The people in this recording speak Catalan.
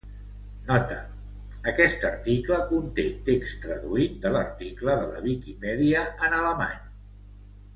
"Nota: aquest article conté text traduït de l'article de la Viquipèdia en alemany".